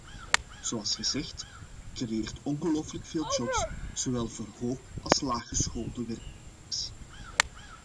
Zoals gezegd: het creëert ongelofelijk veel jobs, zowel voor hoog- als laaggeschoolde werknemers.